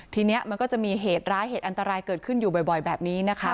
ทีนี้มันก็จะมีเหตุร้ายเหตุอันตรายเกิดขึ้นอยู่บ่อยแบบนี้นะคะ